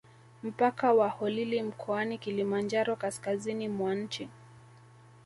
Mpaka wa Holili mkoani Kilimanjaro kaskazizini mwa nchi